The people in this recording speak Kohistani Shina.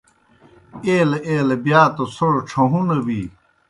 ایلہ ایلہ بِیا توْ څھوْڑ ڇھہُوں نہ بی۔